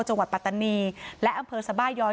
จังหวัดปัตตานีและอำเภอสบายยอย